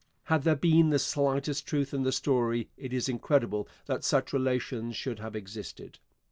Had there been the slightest truth in the story, it is incredible that such relations should have existed.